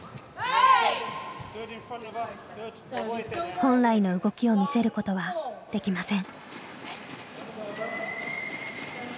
本来の動きを見せることはできません。